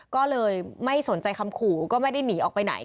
ก็เลยไม่สนใจคำขู่ก็ไม่ได้หนีออกไปไหน